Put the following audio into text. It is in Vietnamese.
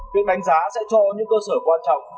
việc đánh giá sẽ cho những cơ sở quan trọng